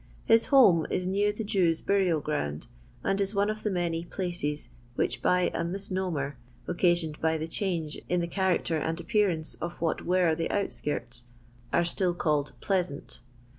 His home is near the Jews' burial ground, and in one oT the many " places" which by a mis aomer, occasioned by the change in the character snd appearance of what teere the outskirts, are itill called *' Pleasant."